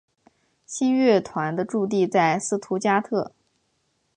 新乐团的驻地在斯图加特。